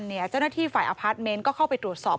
เจ้าหน้าที่ฝ่ายอพาร์ทเมนต์ก็เข้าไปตรวจสอบ